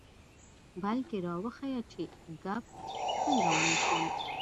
بلکې را وښیه چې کب څنګه ونیسم.